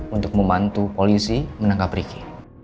untuk membantu polisi menangkap riki